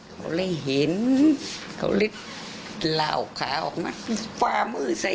เขาได้เห็นเขาฤดเร่าคาเหมาะฟาเมื่อใส